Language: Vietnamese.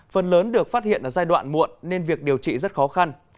phần lớn được phát hiện ở giai đoạn muộn nên việc điều trị rất khó khăn